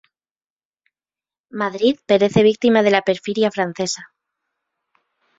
Madrid perece víctima de la perfidia francesa.